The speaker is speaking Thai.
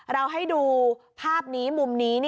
เราให้ดูภาพนี้มุมนี้